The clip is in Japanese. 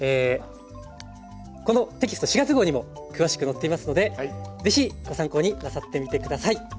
このテキスト４月号にも詳しく載っていますので是非ご参考になさってみて下さい。